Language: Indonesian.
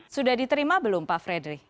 sudah diterima belum pak fredri